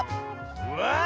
うわ！